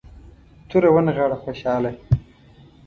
توره ونغاړه خوشحاله.